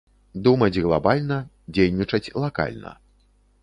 Думаць глабальна, дзейнічаць лакальна.